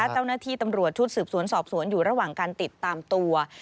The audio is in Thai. เจ้าหน้าที่ตำรวจชุดสืบสวนสอบสวนอยู่ระหว่างการติดตามตัว